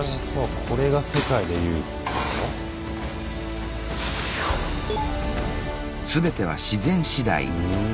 これが世界で唯一ってこと？